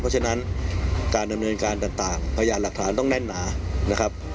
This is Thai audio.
เพราะฉะนั้นการดำเนินการต่างพยานหลักฐานต้องแน่นหนานะครับ